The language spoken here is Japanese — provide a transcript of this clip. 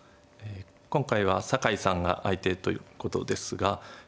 今回は酒井さんが相手ということですが。